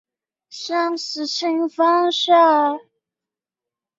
在许多有性繁殖的生物的基因。